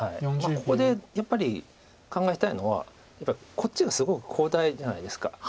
ここでやっぱり考えたいのはこっちがすごい広大じゃないですか。